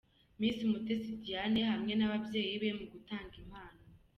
Miss Umutesi Diane hamwe n'ababyeyi be mu gutanga impano.